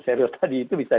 serius tadi itu bisa